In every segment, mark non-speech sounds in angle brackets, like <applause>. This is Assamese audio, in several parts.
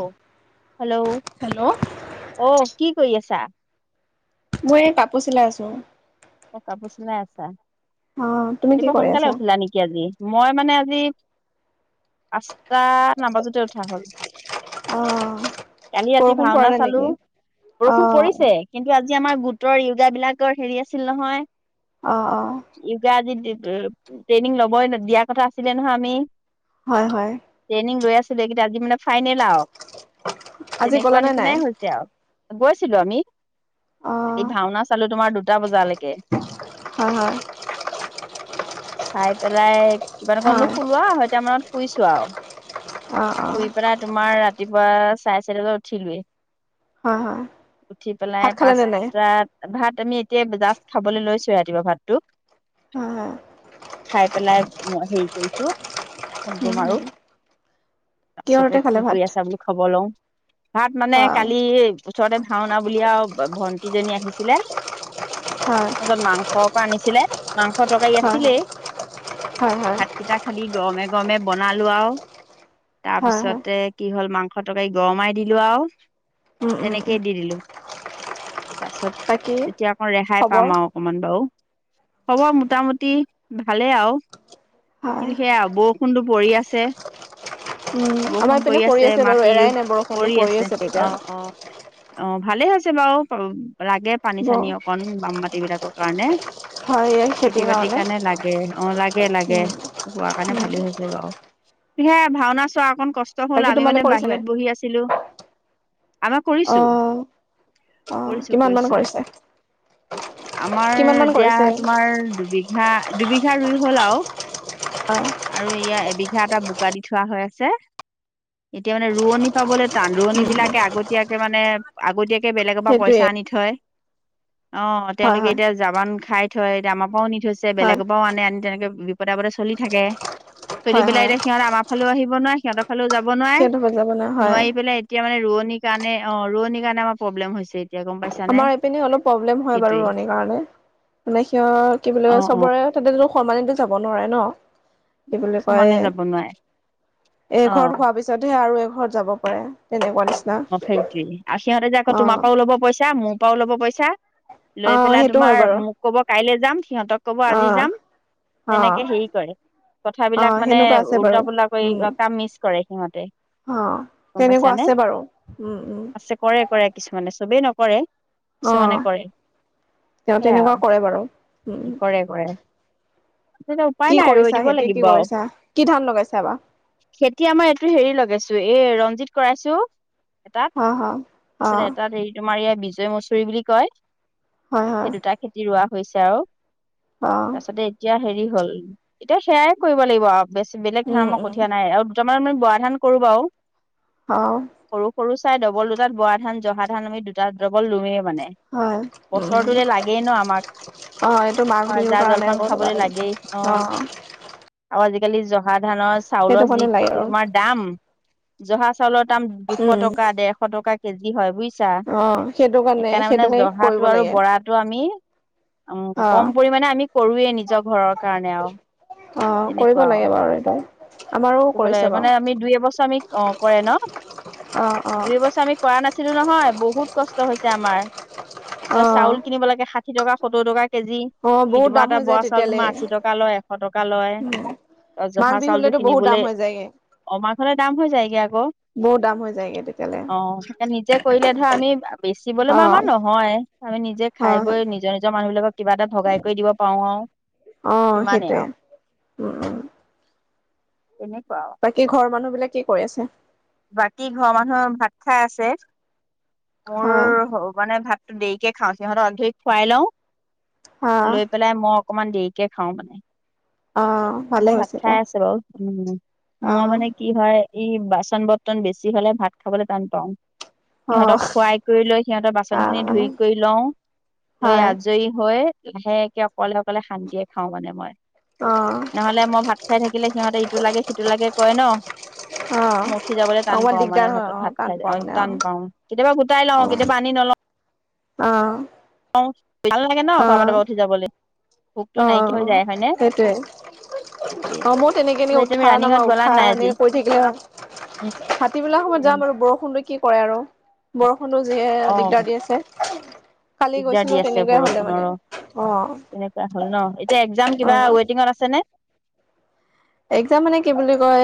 ও, হেল্ল' হেল্ল' অ', কি কৰি আছা? মই এই কাপোৰ চিলাই আছো। অ', কাপোৰ চিলাই আছা? অ তুমি কি ৰাতিপুৱা কৰি সোনকালে আছা উঠিলা নিকি আজি? মই মানে আজি, আছ টা নাবাজোতে উঠা হ'ল, অ কালি ৰাতি বৰষুণ পৰা ভাওনা নাই চালো, নেকি অ বৰষুণ পৰিছে, কিন্তু আজি আমাৰ গোটৰ ইউজাৰ বিলাকৰ হেৰি আছ আছিল নহয়। অ অ ইউগা <unintelligible> উম, ট্ৰেইনিং ল'বই, দিয়া কথা আছিলে নহয় আমি। হয়-হয়। গোটেইকেইটা, আজি মানে ফাইনেল আৰু। আজি তেনেকুৱা গ'লানে নাই নিচিনাই হৈছে আৰু। গৈছিলো আমি। অ এই ভাওনা চালো তোমাৰ দুট দুটা বজালৈকে। হয় হয় চাই পেলাই কিমান মাননো হয় শুলা আঢ়ৈৰতা মানত শুইছোঁ আৰু। অ অ শুই পেলাই তোমাৰ ৰা ৰাতিপুৱা চাৰে চাৰিটা বজাত উঠিলোৱে। হয় হয় উঠি ভাত পেলাই খালে নে নাই পাঁচটাত, ভাত আমি এতিয়া জাষ্ট খাবলৈ লৈছোৱে ৰাতিপুৱা ভাতটো, হয় হয় খাই পেলাই হেৰি কৰিছো ফোনটো উম, মাৰো উম, তাৰপিছতে কি কৰি আছে বুলি খবৰ লওঁ। ভাত মানে অ কালি ওচৰতে ভাওনা বুলি আউ ভ ভন্টিজনী আহিছিলে। হয় তাৰছত মাংস অকণ আনিছিলে। মাংস তৰকাৰী হয় আছিলেই হয় হয় ভাতকেইটা খালি গৰমে গৰমে বনালো আউ। হয় হয় তাৰপিছতে কি হ'ল মাং মাংস তৰকাৰী গৰমাই দিলো আউ উম উম উম তেনেকেই দি দিলো। তাছত বাকী তেতিয়া আকৌ ৰেহাই খবৰ পাম আৰু অকমান বাৰু। খবৰ মোটামোটি ভালেই আৰু হয় কিন্তু সেয়া বৰষুণটো পৰি আছে। আমাৰ ইপিনে পৰি আছে বাৰু এৰাই নাই বৰষুণটো পৰি আছে তেতিয়া অ', ভালে হৈছে বাৰু প-ৰাগে ব পানী-চানী অকন, বাম মাতি বিলাকক হয়নে? হয় এই খেতিৰ খেতি বাতিৰ কাৰণে লাগে অ লাগে লাগে উম হোৱাৰ কাৰণে উম ভালেই হৈছে বাউ হে ভাওনা চোৱা অকণ কষ্ট হ'ল, বাকী আমি তোমালোকে মানে কৰিছে নাই? বাহিৰত বহি আছিলো। আমাৰ কৰিছো অ', অ', কৰিছো কিমান মান কৰিছো কৰিছে? আমাৰ কিমান মান এতিয়া কৰিছে? তোমাৰ দুবিঘা, দুবিঘা ৰুই হ'ল আৰু অ', আৰু এইয়া এবিঘা এটা বুক দি থোৱা হৈ আছে, এতিয়া মানে ৰোৱনী পাবলৈ? চান্দোৰনী উম, বিলাকে আগতীয়াকে মানে মানে আগতীয়া বেলেগৰ পৰা সেইটোৱে পইচা আনি থয়। অ, হয়, তেওঁলোকে হয়, এতিয়া জাবান খাই থৈ আমাৰ পৰাও নি থৈছে, হয়, বেলেগৰ পৰাও আনে, আনি তেনেকে বিপদে আপদ চলি থাকে। চলি হয়, পেলাই হয়, এতিয়া সিহঁত আমাৰ ফালেও আহিব নোৱাৰে। সিহঁতৰ ফালেও যাব নোৱাৰে, সিহঁতৰ যাব না হয়, নোৱাৰি পেলাই এতিয়া মানে ৰোৱনী সেইকাৰণে অ, ৰুৱানিৰ কাৰণে আমাৰ প্ৰব্লেম হৈছে। এতিয়া গম পাইচানে। আমাৰ এইপিনে প্ৰব্লেম হয় বাৰু ৰুৱানীৰ কাৰনে মানে সিহত কি বুলি অ কয় অ চবৰে তা সম যাব নোৱাৰে ন। কি বুলি কয়, সমানে যাব নোৱাৰে অ এইঘৰত হোৱা পিছতহে আৰু এই ঘৰত যাব। কৰে তেনেকুৱা নিচিনা। অ, সেইটোৱে আৰু সিহঁতে যে আকৌ তোমাৰ অ', পৰাও ল'ব পইচা মোৰ মোৰ পাও, ল'ব পইচা। লৈ অ', পেলাই সেইটো হয় তোমাৰ বাৰু মোক ক'ব? কাইলৈ যাম। সিহঁতক কব আজি অ', যাম, অ', তেনেকে হেৰি কৰে, অ', কথাবিলাক মানে সেনেকুৱা আছে বাৰু উল্টা-পুলটা কৰি উম, কাম মিচ কৰে। সিহঁতে। অ, গম তেনেকুৱা পাইছানে আছে বাৰু। উম, উম, আছে কৰে, কৰে কিছুমানে চবেই নক কৰে। অ, তেওঁ সেয়া তেনেকুৱা কৰে বাৰু। উম কৰে, কৰে। উপায় কি নাই ৰৈ কৰিছা দিব খেতি কি লাগিব আৰু, কৰিছা কি ধান লগাইছা বা খেতি আমাৰ এইটো হেৰি লগাইছোৱে। এ, ৰঞ্জিত কৰাইছো। এটাত, হা হা অ তাৰপিছত এটাত হেৰিতো মাৰিয়ে বিজয় মছুৰি বুলি কয়। হয় হয় সেই দুটা খেতি ৰোৱা। হৈছে আৰু। অ তাৰ পাছতে এতিয়া হেৰি হ'ল এতিয়া সেয়াই কৰিব লাগিব আৰু বেছি বেলেগ উম ধাৰণৰ উম কঠিয়া নাই আৰু আমাৰ মানে বৰা কৰো বাৰু অ সৰু, সৰু চাই ডবল দুটাত বৰা ধান জহা ধান আমি দুটা ডবল লুমেই মানে হয় বছৰটো লাগেই ন আমাক। টো মাঘ হয় বিহুৰ জা কাৰণে জলপান খাবলৈ লাগেই গ'ল অ'। আৰু আজিকালি জহা ধানৰ সেইটো চাউলৰ যি কাৰণে লাগে আৰু তোমাৰ দাম। জহা চাউলৰ দাম দুশ উম টকা ডেৰশ টকা- কেজি হয় বুজিছা। ছা অ সেইটো কাৰণে সেইকাৰণে মানে সেইটো কাৰণে জহাটো কৰিব আৰু লাগে বৰাটো আমি উ'ম। অ কম পৰিমাণে আমি কৰোৱে নিজৰ ঘৰত কাৰণে আৰু অ কৰিব তেনেকুৱা লাগে আৰু বাৰু এইটো আমাৰো কি বলে কৰিছে বাৰু মানে আমি দুই এবছৰ আমি অ কৰে ন অ অ দুই এবছৰ আমি কৰা নাছিলো নহয় বহুত কষ্ট হৈছে আমাৰ অ এতিয়া চাউল কিনিব লাগে। ষাশি টকা সত্ৰু টকা। কেজি অ বহুত <unintelligible> দাম এটা হৈ যায় বৰা চাউল তেতিয়ালে তোমাৰ আশী টকা লয়, এশ টকা লয়, মাঘ জহা চাউলটো বিহুলেতো বহুত দাম কিনিবলৈ হৈ যায়গে অমাৰ ঘলে দাম হৈ যায়গে আকৌ, বহুত দাম হৈ যায়গে তেতিয়ালে অ স নিজে কৰিলে ধৰ আমি বেচিবলে বা অ আমাৰ নহয়, আমি নিজে খাই হয় বৈ নিজৰ-নিজৰ মানুহ বিলাকক কিবা এটা ভগাই কৰি দিব পাৰো আৰু, অ সিমানেই সেইটোৱে আৰু। উম উম তেনেকুৱা আৰু বাকী ঘৰৰ মানুহ বিলাক কি কৰি আছে? বাকী ঘৰৰ মানুহৰ ভাত খাই আছে। মোৰ হয় হ মানে ভাত দেৰিকে খাওঁ সিহঁতক <unintelligible> খুৱাই লওঁ। হা লৈ পেলাই ম অকণমান দেৰিকে খাওঁ অ ভালে মানে ভাত হৈছে খাই দিয়া আছে বাৰু, উম অ মই মানে কি হয় ই বাচন-বত টন বেছি হলে ভাত খাবলৈ টান পাও। অ সিহঁতক খুৱাই কৰি লৈ সিহঁতৰ বাচন অ খিনি ধুই কৰি লও, লৈ হয় আজৰি হৈ লাহেকে অকলে-অকলে শান্তিয়ে খাওঁ মানে মই। অ নহ'লে মই ভাত খাই থাকিলে সিহঁতে ইটো লাগে সিটো লাগে কৰে ন। মই অ'। উঠি যাবলৈ টান অকমান পাওঁ মানে, দিগদাৰ হয় ভাতত অ ভাত টান খাই পোৱা অ' মানে টান পাওঁ, কেতিয়াবা গোট গোটাই লওঁ, কেতিয়াবা আনি নলওঁ অ'। <inaudible> ভাল নালাগে ন, অ খোৱা পাতৰ পৰা উঠি যাবলে। অ', সেইটোৱে, এইটোৱে অ' মইও <unintelligible> তুমি ৰানিঙত গ'লা উঠা-নমা-উঠা নাই আজি এনেকে কৰি থাকিলে, উম ভাটিবেলা সময়ত উম যাম আৰু বৰষুণটো কি কৰে আৰু। বৰষুণো যিহে অ দিগদাৰ দি আছে। কালি দিগদাৰ দি গৈছিলো, আছে তেনেকুৱাই হ'লে মানে, বৰষুণৰো অ'। তেনেকুৱা হ'ল ন, এতিয়া এক্সাম কিবা অ ৱেইটিঙত আছে নে? এক্সাম মানে কি বুলি কয়,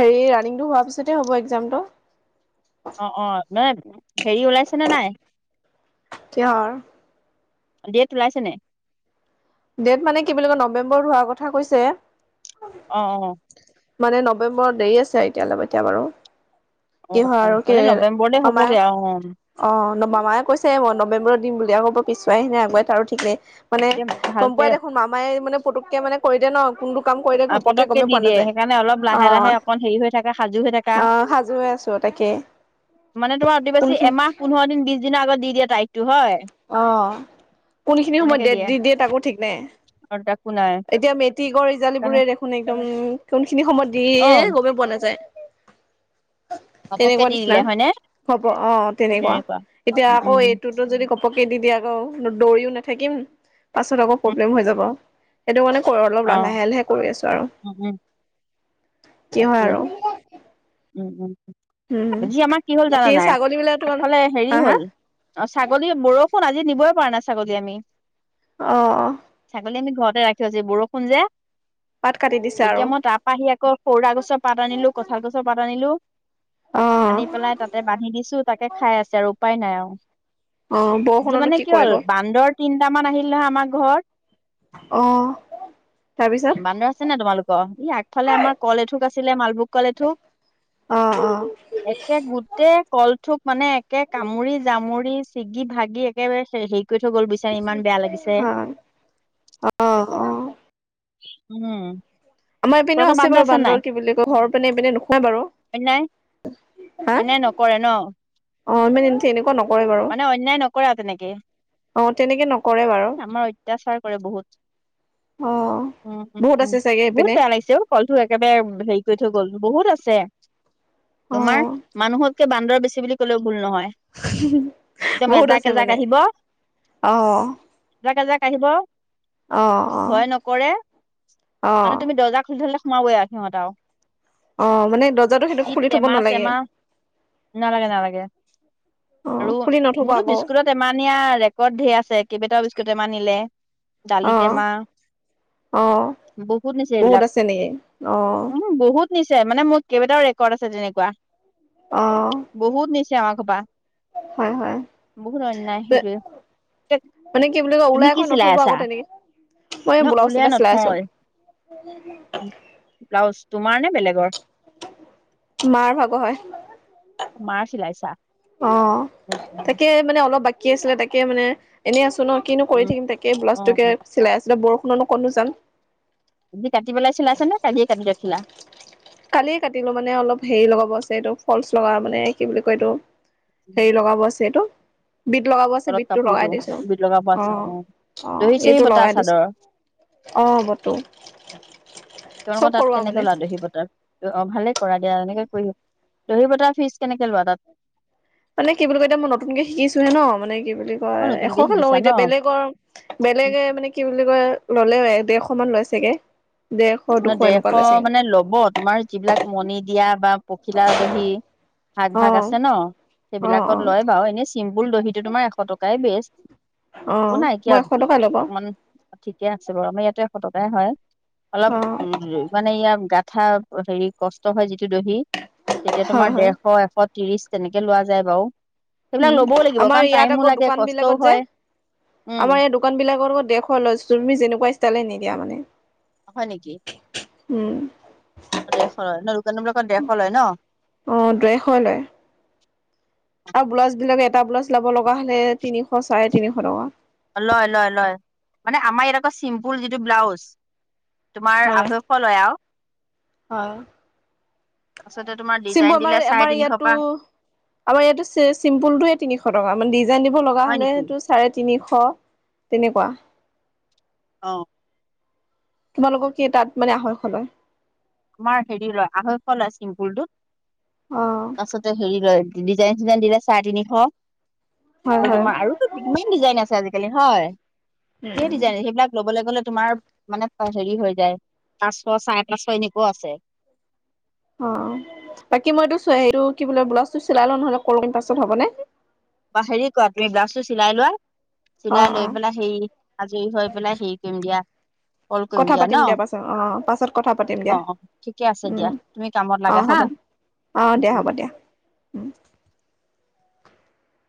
হেৰি ৰানিংটো হোৱাৰ পিছতে হ'ব এক্সামটো। অ' অ', মানে, হেৰি ওলাইছেনে নাই? কিহৰ ডেট ওলাইছে নে? ডেট মানে কি বুলি কয়, নৱেম্বৰত হোৱাৰ কথা কৈছে। অ'। মানে নৱেম্বৰত দেৰি আছে এতিয়ালে-এতিয়া বাৰু। অ কিহৰ আৰু কি, হ'লে নৱেম্বৰতে মামায়ে, হ'বগে আৰু অ অ', ন মামায়ে কৈছে বাৰু নৱেম্বৰত দিম বুলি। এতিয়া আকৌ পিছুৱাই নে আগুৱাই তাৰো ঠিক নাই। এতিয়া গম ভালকে পোৱাই দেখোন মামাই মানে ফুটুককে মানে কৈ দিয়ে ন, কোনটো কাম কৰি দিয়ে ঘপককে পতককে গমেই দি পোৱা দিয়ে, নাযায় সেইকাৰণে অলপ অ লাহে লাহে অকণ হেৰি হৈ থাকা সাজু হৈ থাকা, অ সাজু হৈ আছো তাকে মানে তোমাৰ অতি বেছি এমাহ, পোন্ধৰ দিন, বিশ দিনৰ আগত দি দিয়ে তাৰিখ। অহ' কোনখিনি সময়ত দেত দি দিয়ে তাকো ঠিক নাই, আৰু তাকো নাই এতিয়া মেট্ৰিকৰ ৰিজাল্ট দিব সেইকাৰণে বোৰেই দেখোন একদম, কোন খিনি সময়ত দিয়ে অ গমেই পোৱা নাযায়। ঘপককে তেনেকুৱা দি নিচিনা, দিলে হয়নে খবৰ অ' অ' তেনেকুৱা, এতিয়া উম আকৌ উম এইটোতো যদি ঘপক কে দি দিয়ে আকৌ, দৌ দৌৰিও নাথাকিম। পাছত আকৌ উম প্ৰব্লেম হৈ যাব। এইটো মানে ক'ৰ অলপ অ লা লাহে লাহে কৰি আছোঁ আৰু উম উম কি হয় তাকে আৰু উম, উম। উম। আজি আমাৰ কি হ'ল জানা বাকী নাই ছাগলী বিলাক তোমালোক আগফালে হেৰি হা হা হ'ল অ' ছাগলীৰ বৰষুণ আজি আজি নিবই পাৰা নাই ছাগলী আমি। অহ' ছাগলী আমি ঘৰতে ৰাখি আজি বৰষুণ যে পাত কাটি দিছে আৰু এতিয়া মই তাৰাপা আহি আকৌ খৰুৱা গছ পাত আনিলোঁ, কঁঠাল গছ পাত আনিলোঁ। অ আনি পেলাই তাতে বান্ধি দিছোঁ, তাকে খাই আছে আৰু উপাই নাই আৰু অ আজি বৰষুণনো মানে কি হ'ল কৰিব বান্দৰ তিনটামান আহিল নহয় আমাৰ ঘৰ অ তাৰপিছত বান্দৰ আছে নে তোমালোকৰ ই আগফালে আমাৰ এ তুক আছিলে মালভুক কলে থো অ অ একে গোটেই কল থোপ মানে একে কামুৰি জামুৰি ছিগি ভাগি একে আহ আহ আহ উম আমাৰ এইপিনেও আছে বাৰু বান্দৰ কি বুলি কয় ঘৰ পিনে এইপিনে নোখুৱাই বাৰু অন্যায় হা অন্যায় নকৰে ন অ মানে, নকৰে বাৰু মানে অন্যায় নকৰে আৰু তেনেকে অ তেনেকে নকৰে বাৰু। আমাৰ অত্যাচাৰ কৰে বহুত। অ বহুত উম-উম-উম আছে চাগে বহুত এইপিনে বেয়া লাগিছে অ তলটো একেবাৰে হেৰি কৰি থ গল বহুত আছে। অ তোমাৰ মানুহকে বান্দৰ বেছি। আছে বুলি কলেও ভুল নহয়। একদম বহুত এজাক, আছে এজাক মানে আহিব অহ, এজাক, এজাক আহিব। ভয় নকৰে অ মানে তুমি দৰ্জা খুলি থলে, সোমাবোই সিহঁত আৰু। অ' মানে দৰ্জাৰটো সেইটো যি খুলি থব টেমা, নালাগে। চেমা নালাগে, নালাগে অ আৰু খুলি নথব মোৰতো আকৌ বিস্কুৰ ঠেমা ৰেকৰ্ড ধেৰ আছে। কেইটা বিস্কুট নিলে। দালি টেমা অঁ-অঁ-অ বহুত আছে নেকি অঁ' নিশ্চয় মানে মোৰ কেইবাটাও ৰেকৰ্ড আছে তেনেকুৱা। বহুত নিচে। কিয় কপা <inaudible> হয়-হয় সেইটোৱে মানে কি বুলি কয় তুমি ওলাই কি আকৌ চিলাই নথবা আছা আকৌ তেনেকে মই ন এই ব্লাউজ উলিয়াই এটা চিলাই আছোঁ। নথয় ব্লাউজ তোমাৰ নে বেলেগৰ। মাৰ ভাগৰ হয়। মাৰ চিলাইছা। অ তাকে মানে অলপ বাকী শিকি আছিলে তাকে মানে এনেই আছো। ন কিনো কৰি উম, থাকিম তাকে অ', ব্লাউজটোকে অ', চিলাই আছিলে বৰ কোনো-কোনো জাং যদি কাটিব পেলাইছা আছেনে কালিই কাটি ৰাখিলা। কালিয়ে কাটিলো মানে অলপ হেৰি লগাব আছে এইটো ফলচ লগা মানে কি বুলি কয় এইটো। হেৰি লগাব আছে এইটো। বিট লগাব আছে তলত বিটটো লগাই কাপোৰটো দিছো বিট লগাব আছে অ'। অ-অ দহি চহি এইটো বতা লগাই দিছো চাদৰ অ বতু চব তোমালোকৰ তাত কৰোৱা কেনেকে মানে। লোৱা দহি বতা? অ ভালে কৰা দিয়া এনেকে কৰি দহি বতাৰ ফিজ কেনেকে লোৱা তাত। মানে কি বুলি কয় এতিয়া মই নতুনকে শিকিছোহে ন মানে কি বুলি। বুলি কয় অ', নতুনকে এশকে লওঁ শিকিছা ন? এতিয়া বেলেগৰ বেলেগে মানে কি বুলি কয়। ল'লেও ডেৰশ মান লয় চাগে। ডেৰশ দুশ এনেকুৱা ডেৰশ লৈছেগে মানে ল'ব তোমাৰ যিবিলাক মণি দিয়া বা- পখিলা দহি ভাগ ভাগ অ'। আছে ন অ', সেইবিলাকত অ', লয় বাৰু এনেই চিম পুল দহিটো তোমাৰ এশ টকাই বেষ্ট। একো অ', নাই মই কিয় এশ টকা ল'ব অ', অলপমান ঠিকে আছে বাৰু আমাৰ ইয়াতে এশ টকা তাকে হয়। অলপ মানে ইয়াৰ গাত বা হেৰি কষ্ট হয় যিহেতু দহি তেতিয়া হয়, তোমাৰ হয়, ডেৰশ এশত ত্ৰিশ তেনেকে লোৱা যায় বাৰু। সেইবিলাক উম ল'বও লাগিব আমাৰ কাৰণ ইয়াত টাইমো আকৌ লাগে দোকান কষ্টও বিলাকত যে হয় উম আমাৰ ইয়াত দোকান বিলাকৰ ডেৰশ লয়, তুমি যেনেকুৱা ষ্টাইলে নি দিয়া মানে হয় নেকি উম, ডেৰশ লয় ন, দোকানবিলাকত ডেৰশ লয় ন। অ', ডেৰশ লয় আৰু ব্লাউজ বিলাক এটা ব্লাউজ লব লগা হলে তিনিশ চাৰে তিনিশ টকা লয় লয় লয় মানে আমাৰ এ কোৱা চিম্পুল যিটো ব্লাউজ তোমাৰ হয়, আঢ়ৈশ লয় আৰু। হয়। তাৰপিছতে তোমাৰ ডিজাইন চিম্পুল দিলে চাৰে আমাৰ তিনিশ ইয়াতো পৰা আমাৰ ইয়াতো চিম্পুলটোৱে তিনিশ টকা ডিজাইন দিব লগা হয় নেকি হলেটো চাৰে তিনিশ তেনেকুৱা। অ। তোমালোকক কি তাত মানে আঢ়ৈশ লয়। আমাৰ হেৰি লয় আঢ়ৈশ লয় অ', চিম্পুলটোত। আছতে হেৰি লয়। ডিজাইন চিজাইন দিলে চাৰে তিনিশ। হয়, আৰু তো হয়, তোমাৰ কিমান ডিজাইন আছে আজিকালি হয়। সেই উম, ডিজাইন সেইবিলাক ল'ব লাগেঋ গলে তোমাৰ মানে হেৰি হৈ যায় পাঁচশ চাৰে পাঁচশ এনে কোৱা আছে। অ বাকী মই এইটোটো কি বোলে ব্লাউজটো চিলাই লও নহলে কল কৰিম পাছত হবনে? বা হেৰি কোৱা তুমি ব্লাউজটো চিলাই লোৱা। অ চিলাই অ লৈ পেলাই হে আজৰি হৈ পেলাই হেৰি কৰিম দিয়া। কল কৰিম কথা ন পাতিম দিয়া পাছত অ পাছত কথা পাতিম দিয়া অ অ ঠিকে আছে দিয়া তুমি কামত লাগা অঁ হা হ'ব অঁ উম দিয়া উম হ'ব দিয়া।